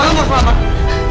kalah nomor selamat